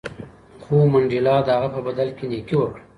خو منډېلا د هغه په بدل کې نېکي وکړه.